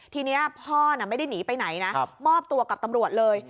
ทีนี้พ่อไม่ได้หนีไปไหนนะมอบตัวกับตำรวจเลย